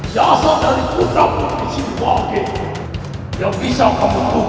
jasa dari putra putri si wangi yang bisa kamu tukang